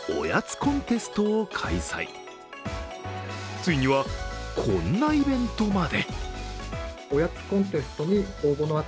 ついには、こんなイベントまで。